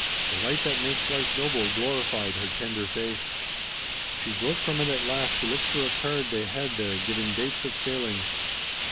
The light that makes life noble glorified her tender face. She broke from it at last to look for a card they had there giving dates of sailings.